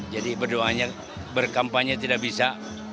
jadi berdoanya berkampanye tidak bisa